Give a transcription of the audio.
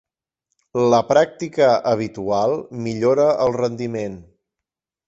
La pràctica habitual millora el rendiment.